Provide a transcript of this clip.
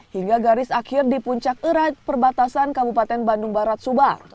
hingga garis akhir di puncak era perbatasan kabupaten bandung barat subang